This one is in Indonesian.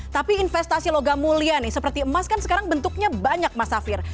tapi investasi logam mulia nih seperti emas kan sekarang bentuknya banyak mas safir